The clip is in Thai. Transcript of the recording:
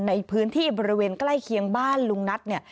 ในพื้นที่บริเวณใกล้เคียงบ้านลุงนัทเนี่ย